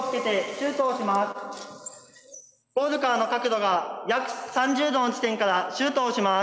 ゴールからの角度が約３０度の地点からシュートをします。